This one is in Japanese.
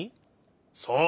そう。